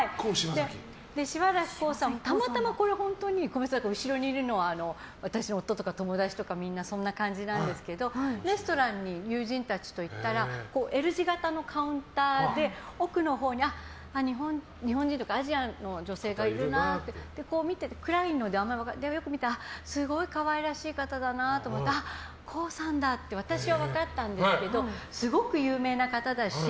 柴咲コウさんもたまたま、これは本当に後ろにいるのは夫とか友達とかみんなそんな感じなんですけどレストランに友人たちと行ったらＬ字型のカウンターで奥のほうに日本人というかアジアの女性がいるなって見てて、暗いのでよく分からなくて、よく見たらすごい可愛らしい方だなと思ってコウさんだって私は分かったんですけどすごく有名な方だし。